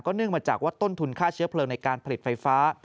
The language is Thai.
เนื่องมาจากว่าต้นทุนค่าเชื้อเพลิงในการผลิตไฟฟ้า